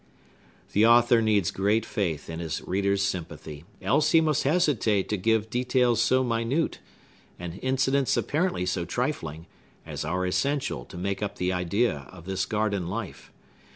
The author needs great faith in his reader's sympathy; else he must hesitate to give details so minute, and incidents apparently so trifling, as are essential to make up the idea of this garden life.